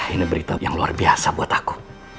ini berita yang luar biasa buat aku